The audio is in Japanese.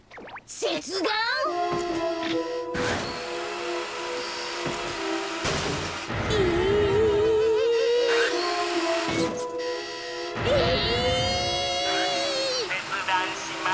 せつだんします。